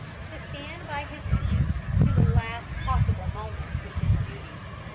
To stand by his engines to the last possible moment is his duty.